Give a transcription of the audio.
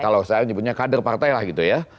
kalau saya nyebutnya kader partai lah gitu ya